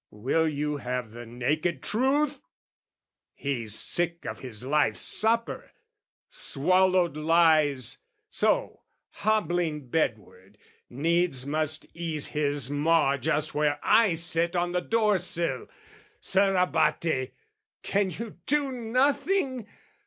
Will you have the naked truth? He's sick of his life's supper, swallowed lies: So, hobbling bedward, needs must ease his maw Just where I sit o' the door sill. Sir Abate, Can you do nothing?